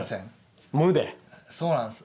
そうなんす。